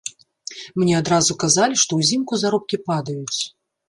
Мне адразу казалі, што ўзімку заробкі падаюць.